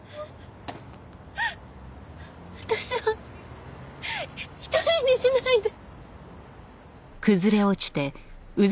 私を一人にしないで。